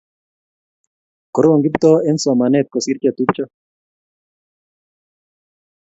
korom Kiptoo eng somanet kosir chetupcho